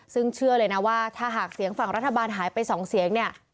ซึ่งเชื่อเลยนะว่าถ้าหากเสียงฝั่งรัฐบาลหายไป๒เสียงเนี่ย